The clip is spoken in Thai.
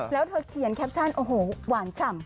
แล้วเธอเขียนแคปชั่นโอ้โหหวานฉ่ำ